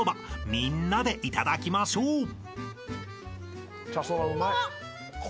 ［みんなでいただきましょう］うーまっ！